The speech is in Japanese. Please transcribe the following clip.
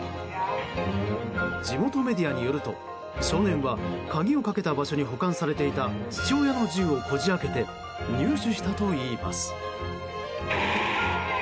地元メディアによると少年は鍵をかけた場所に保管されていた父親の銃をこじ開けて入手したといいます。